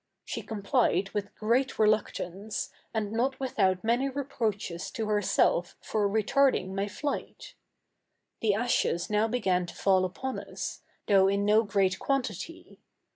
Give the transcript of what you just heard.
She complied with great reluctance, and not without many reproaches to herself for retarding my flight. The ashes now began to fall upon us, though in no great quantity.